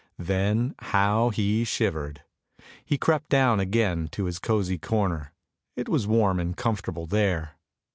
Then how he shivered! he crept down again to his cosy corner, it was warm and comfortable there!